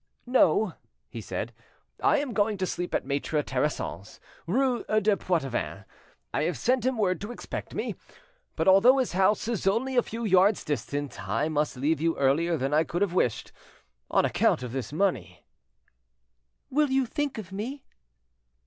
"No;" he said, "I am going to sleep at Maitre Terrasson's, rue des Poitevins; I have sent him word to expect me. But although his house is only a few yards distant, I must leave you earlier than I could have wished, on account of this money." "Will you think of me?"